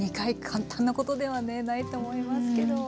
簡単なことではねないと思いますけど。